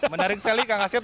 menarik sekali kang asyaf